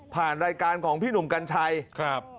รายการของพี่หนุ่มกัญชัยครับ